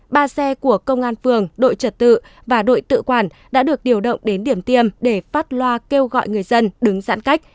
ba xe của công an phường đội trật tự và đội tự quản đã được điều động đến điểm tiêm để phát loa kêu gọi người dân đứng giãn cách